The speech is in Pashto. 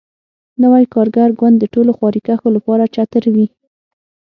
نوی کارګر ګوند د ټولو خواریکښو لپاره چتر وي.